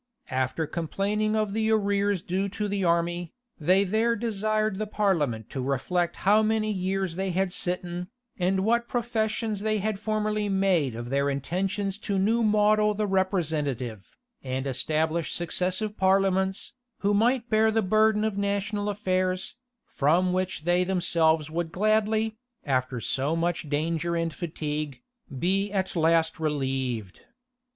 After complaining of the arrears due to the army, they there desired the parliament to reflect how many years they had sitten, and what professions they had formerly made of their intentions to new model the representative, and establish successive parliaments, who might bear the burden of national affairs, from which they themselves would gladly, after so much danger and fatigue, be at last relieved.